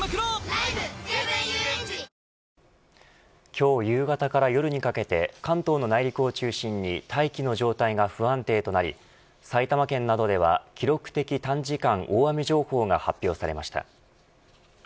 今日夕方から夜にかけて関東の内陸を中心に大気の状態が不安定となり埼玉県などでは記録的短時間大雨情報が発表されました。